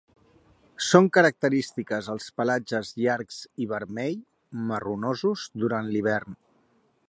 Són característiques els pelatges llargs i vermell marronosos durant l'hivern.